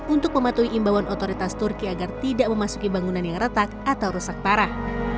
untuk mematuhi imbauan otoritas turki agar tidak memasuki bangunan yang retak atau rusak parah